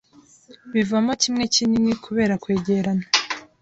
bivamo kimwe kinini kubera kwegerana